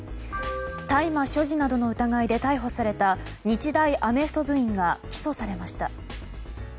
大麻所持などの疑いで逮捕された日大アメフト部員が起訴されました。